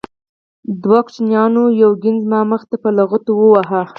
دوو ماشومانو یو توپ زما مخې ته په لغتو وواهه.